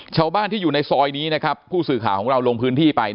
ชาวบ้านที่อยู่ในซอยนี้นะครับผู้สื่อข่าวของเราลงพื้นที่ไป